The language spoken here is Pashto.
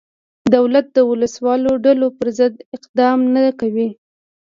دولت د وسله والو ډلو پرضد اقدام نه کوي.